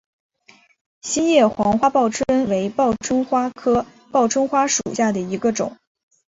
心叶黄花报春为报春花科报春花属下的一个种。